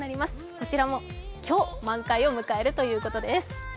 こちらも、今日満開を迎えるということです。